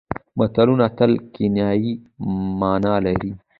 متلونه تل کنايي مانا لري